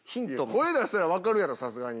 声出したらわかるやろさすがに。